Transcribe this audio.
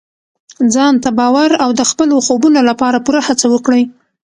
ځان ته باور او د خپلو خوبونو لپاره پوره هڅه وکړئ.